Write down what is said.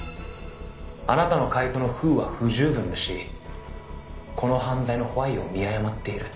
「あなたの解答のＷＨＯは不十分だしこの犯罪のＷＨＹを見誤っている」